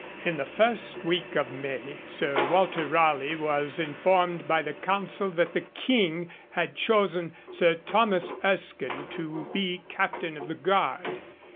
In the first week of May, Sir Walter Raleigh was informed by the Council that the King had chosen Sir Thomas Erskine to be Captain of the Guard.